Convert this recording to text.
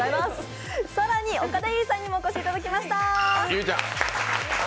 更に、岡田結実さんにもお越しいただきました。